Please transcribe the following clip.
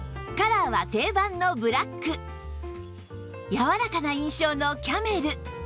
柔らかな印象のキャメル